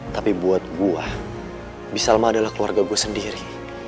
tapi buat gua bisa ma adalah keluarga gua sendiri